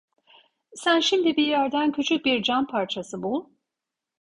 Sen şimdi bir yerden küçük bir cam parçası bul…